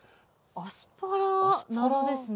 アスパラ謎ですね。